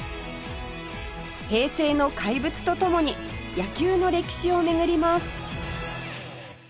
平成の怪物と共に野球の歴史を巡ります